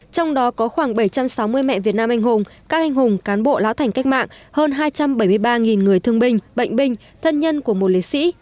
trong đó có khoảng bảy trăm sáu mươi mẹ việt nam anh hùng các anh hùng cán bộ lão thành cách mạng hơn hai trăm bảy mươi ba người thương binh bệnh binh thân nhân của một liệt sĩ